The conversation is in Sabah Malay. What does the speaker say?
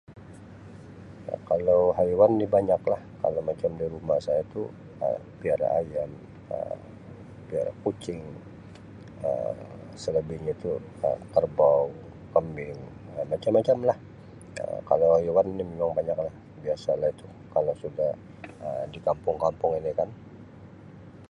Kalau haiwan ni banyak lah kalau macam di rumah saya tu Um piara ayam Um piara kucing Um selebihnya tu Um kerbau kambing macam-macam lah kalau haiwan ni memang banyak lah biasa lah tu kalau sudah Um di kampung-kampung ini kan.